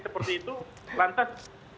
seperti itu lantas